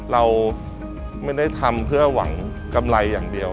เราไม่ได้ทำเพื่อหวังกำไรอย่างเดียว